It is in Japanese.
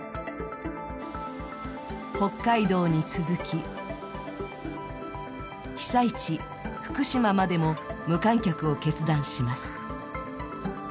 北海道に続き、被災地・福島までも無観客を決断します。